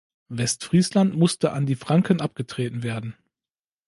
Westfriesland musste an die Franken abgetreten werden.